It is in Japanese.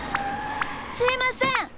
すいません。